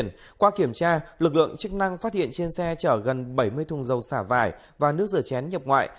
lực lượng chức năng phát hiện trên xe chở gần bảy mươi thùng dầu xả vải và nước rửa chén nhập ngoại